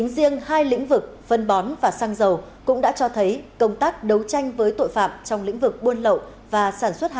gian lận thương mại xạ xuất